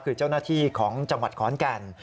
คือเจ้าหน้าที่ของจังหวัดขอนแก่น